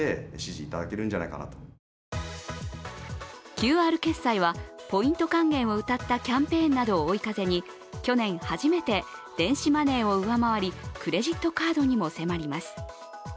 ＱＲ決済は、ポイント還元をうたったキャンペーンなどを追い風に去年初めて電子マネーを上回りクレジットカードにも迫ります。